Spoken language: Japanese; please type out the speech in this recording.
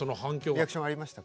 リアクションありましたか？